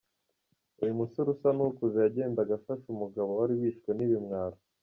Uyu mugore usa n’ukuze yagendaga afashe umugabo wari wishwe n’ibimwaro.